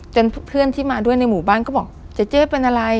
เพื่อนที่มาด้วยในหมู่บ้านก็บอกเจ๊เป็นอะไร